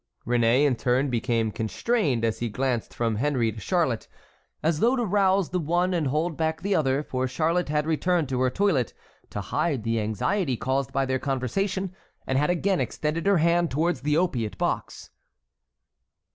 Réné in turn became constrained as he glanced from Henry to Charlotte, as though to rouse the one and hold back the other; for Charlotte had returned to her toilet to hide the anxiety caused by their conversation, and had again extended her hand towards the opiate box.